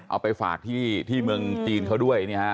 เอาไปฝากที่เมืองจีนเขาด้วย